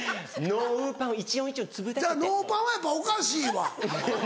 ノーパンはやっぱおかしいわ。